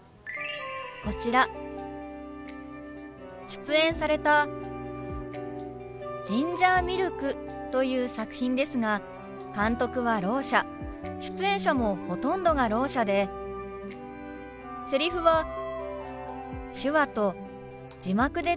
こちら出演された「ジンジャーミルク」という作品ですが監督はろう者出演者もほとんどがろう者でセリフは手話と字幕でつづられる作品なんですよね。